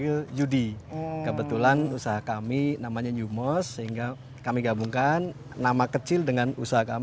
oh ya sebenarnya saya sedikit dari segalanya